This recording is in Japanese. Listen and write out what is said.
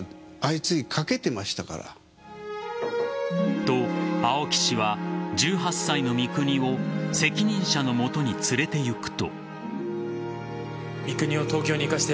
と、青木氏は１８歳の三國を責任者の元に連れて行くと。